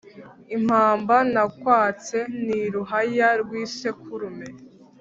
Impamba nakwatse. Ni Ruhaya rw'isekurume